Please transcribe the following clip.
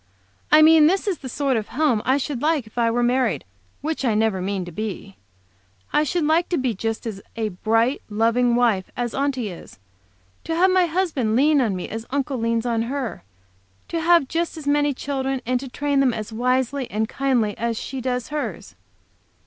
I mean this is the sort of home I should like if I ever married, which I never mean to do. I should like to be just such a bright, loving wife as Aunty is; to have my husband lean on me as Uncle leans on her; to have just as many children, and to train them as wisely and kindly us she does hers.